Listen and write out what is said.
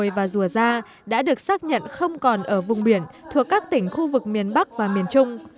hồi và dùa ra đã được xác nhận không còn ở vùng biển thuộc các tỉnh khu vực miền bắc và miền trung